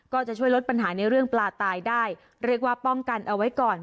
ก็จะช่วยลดปัญหาในเรื่องปลาตายได้เรียกว่าป้องกันเอาไว้ก่อน